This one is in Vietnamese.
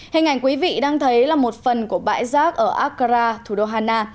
hình ảnh quý vị đang thấy là một phần của bãi rác ở accra thủ đô hà na